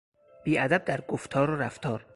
بیادب در گفتار و رفتار